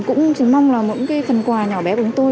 cũng chỉ mong là một cái phần quà nhỏ bé bóng tôi